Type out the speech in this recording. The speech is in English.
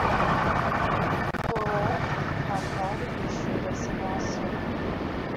Hewlett-Packard issued a similar statement.